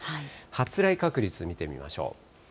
発雷確率を見てみましょう。